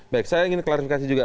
baik saya ingin klarifikasi juga